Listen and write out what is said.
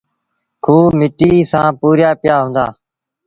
کوه مٽيٚ سآݩ پُوريآ پيآ هُݩدآ۔